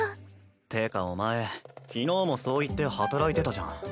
ってかお前昨日もそう言って働いてたじゃん。